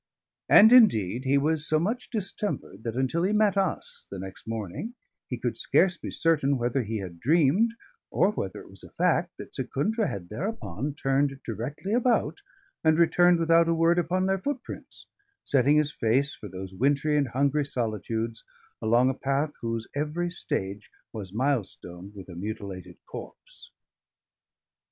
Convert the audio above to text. And indeed he was so much distempered that until he met us, the next morning, he could scarce be certain whether he had dreamed, or whether it was a fact, that Secundra had thereupon turned directly about and returned without a word upon their footprints, setting his face for these wintry and hungry solitudes along a path whose every stage was mile stoned with a mutilated corpse.